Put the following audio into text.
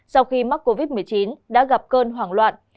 sau khi mắc covid một mươi chín đã gặp cơn hoảng loạn